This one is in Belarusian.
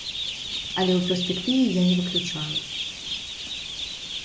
Але ў перспектыве я не выключаю.